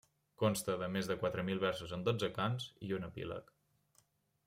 Consta de més de quatre mil versos en dotze cants i un epíleg.